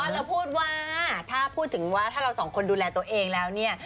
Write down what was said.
เราพูดว่าถ้าพูดถึงว่าถ้าเราสองคนดูแลตัวเองแล้วเนี่ย